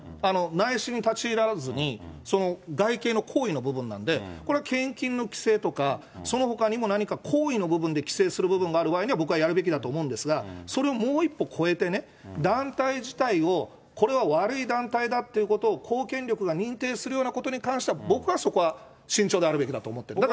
内心に立ち入らずに、外形の行為の部分なので、これは献金の規制とか、そのほかにも何か行為の部分で規制する部分がある場合には、僕はやるべきだと思うんですが、それをもう一歩越えてね、団体自体を、これは悪い団体だということを公権力が認定するようなことに関しては、僕はそこは慎重であるべきだと思ってます。